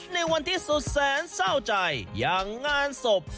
ในวันที่สุดแสนเศร้าใจอย่างงานศพ